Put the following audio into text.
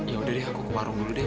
ya udah deh aku ke warung dulu deh